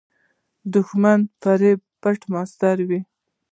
دښمن د فریب پټ ماسټر وي